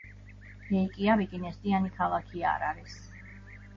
რეიკიავიკი ნესტიანი ქალაქი არ არის.